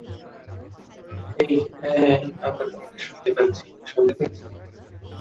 হেই হ্যা হ্যা, আমরা তোমাকে শুনতে পাচ্ছি শুনতে পাচ্ছো?